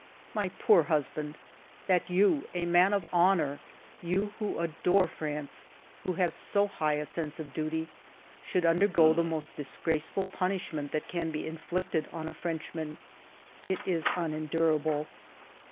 My poor husband, that you, a man of honor, you who adore France, who have so high a sense of duty, should undergo the most disgraceful punishment that can be inflicted on a Frenchman, — it is unendurable.